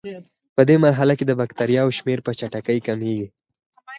پدې مرحله کې د بکټریاوو شمېر په چټکۍ کمیږي.